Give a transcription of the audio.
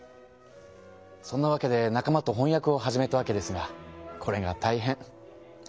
そんなわけで仲間とほんやくを始めたわけですがこれがたいへん。